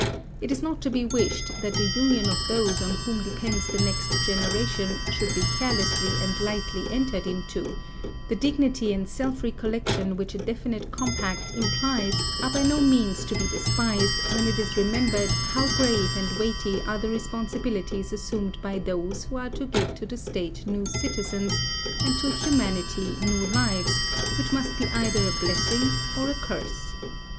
It is not to be wished that the union of those on whom depends the next generation should be carelessly and lightly entered into; the dignity and self recollection which a definite compact implies are by no means to be despised, when it is remembered how grave and weighty are the responsibilities assumed by those who are to give to the State new citizens, and to Humanity new lives, which must be either a blessing or a curse.